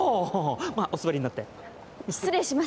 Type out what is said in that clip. まあお座りになって失礼します